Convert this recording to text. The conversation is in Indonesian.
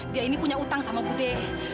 dia ini punya utang sama bude